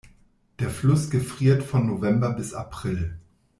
Der Fluss gefriert von November bis April.